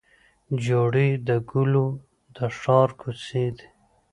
جوړې د ګلو د ښار کوڅې دي